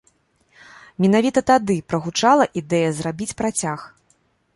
Менавіта тады і прагучала ідэя зрабіць працяг.